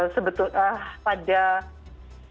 sebetulnya pada publikasi